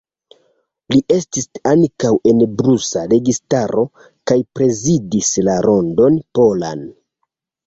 Li estis ankaŭ en prusa registaro kaj prezidis la Rondon Polan.